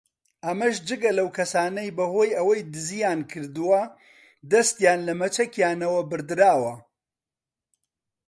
ئەمەش جگە لەو کەسانەی بەهۆی ئەوەی دزییان کردووە دەستیان لە مەچەکیانەوە بڕدراوە